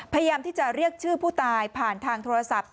พยายามที่จะเรียกชื่อผู้ตายผ่านทางโทรศัพท์